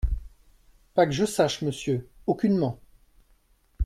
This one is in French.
Pas que je sache, monsieur, aucunement.